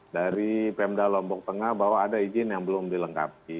dari pemda lombok tengah bahwa ada izin yang belum dilengkapi